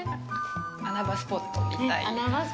穴場スポットみたいな。